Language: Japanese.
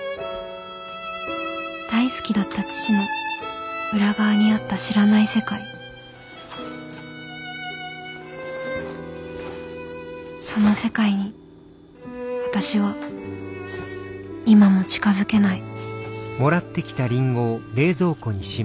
大好きだった父の裏側にあった知らない世界その世界に私は今も近づけない